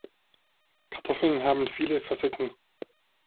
Kartoffeln haben viele Facetten.